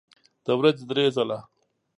د ورځې درې ځله